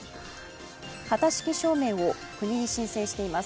型式証明を国に申請しています。